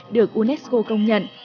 được unesco công nhận